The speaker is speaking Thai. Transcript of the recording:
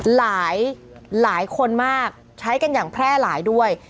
หลายคนมากใช้กันอย่างแพร่หลายด้วย